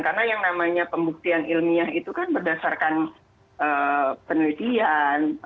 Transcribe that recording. karena yang namanya pembuktian ilmiah itu kan berdasarkan penyelesaian